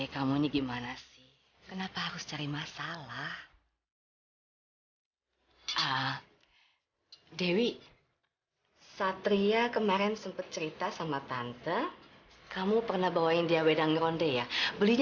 kamu manggil taksi dimana sih